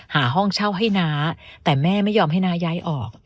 ห้องเช่าให้น้าแต่แม่ไม่ยอมให้น้าย้ายออก